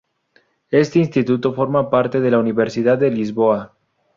Este instituto forma parte de la Universidad de Lisboa.